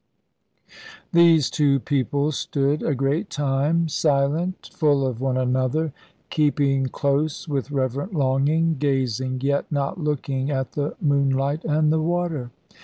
These two people stood a great time, silent, full of one another, keeping close with reverent longing, gazing yet not looking at the moonlight and the water.